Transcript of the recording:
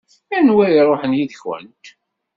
Anwa i iṛuḥen yid-kent?